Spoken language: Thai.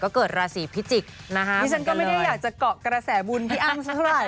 ก็เกิดราศีพิจิกษ์นะคะดิฉันก็ไม่ได้อยากจะเกาะกระแสบุญพี่อ้ำสักเท่าไหร